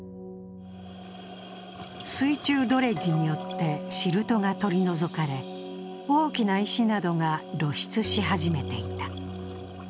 水中ドレッジによってシルトが取り除かれ、大きな石などが露出し始めていた。